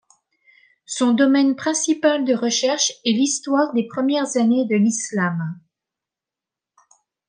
Son domaine principal de recherche est l'histoire des premières années de l’islam.